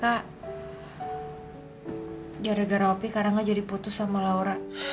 jadah gara gara opi karangga jadi putus sama laura